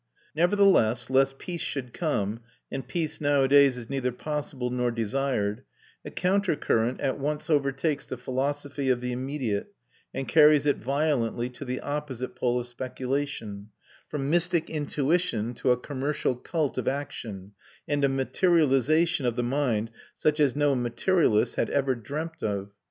Nevertheless, lest peace should come (and peace nowadays is neither possible nor desired), a counter current at once overtakes the philosophy of the immediate and carries it violently to the opposite pole of speculation from mystic intuition to a commercial cult of action and a materialisation of the mind such as no materialist had ever dreamt of.